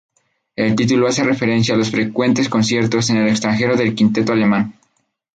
El título hace referencia a los frecuentes conciertos en el extranjero del quinteto alemán.